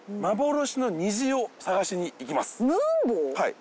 はい。